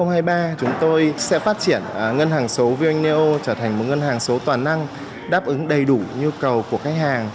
năm hai nghìn hai mươi ba chúng tôi sẽ phát triển ngân hàng số vneio trở thành một ngân hàng số toàn năng đáp ứng đầy đủ nhu cầu của khách hàng